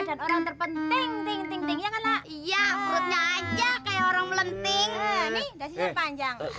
dan orang terpenting ting ting ting ting ya kan nak iya perutnya aja kayak orang melenting